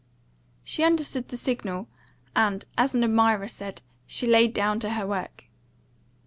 She understood the signal, and, as an admirer said, "she laid down to her work."